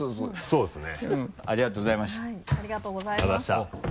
そうですね